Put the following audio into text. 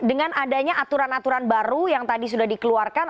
dengan adanya aturan aturan baru yang tadi sudah dikeluarkan